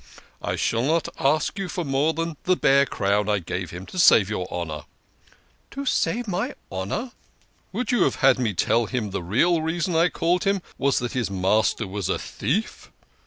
" I shall not ask you for more than the bare crown I gave him to save your honour." 30 THE KING OF SCHNORRERS. "To save my honour !"" Would you have had me tell him the real reason I called him was that his master was a thief?